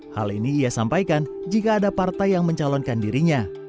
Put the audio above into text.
hal ini ia sampaikan jika ada partai yang mencalonkan dirinya